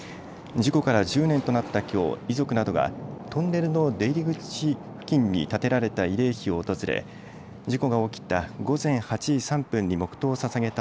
事故から１０年となったきょう遺族などがトンネルの出入り口付近に建てられた慰霊碑を訪れ事故が起きた午前８時３分に黙とうをささげた